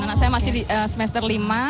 anak saya masih semester lima